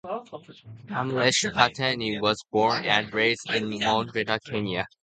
Kamlesh Pattni was born and raised in Mombasa, Kenya.